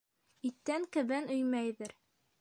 Иттән кәбән өймәйҙәр.